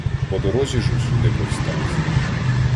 По дорозі ж усюди повстанці.